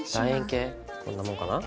こんなもんかな。